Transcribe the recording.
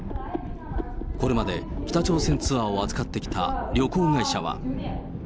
これまで北朝鮮ツアーを扱ってきた旅行会社は。